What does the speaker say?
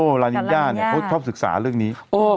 หลานิญญาณใครไม่สึกษาเรื่องนี้